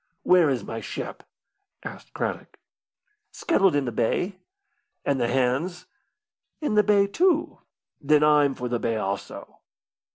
"Where is my ship?" asked Craddock. "Scuttled in the bay." "And the hands?" "In the bay, too." "Then I'm for the bay, also."